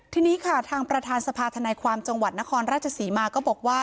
ทีนี้ค่ะทางประธานสภาธนายความจังหวัดนครราชศรีมาก็บอกว่า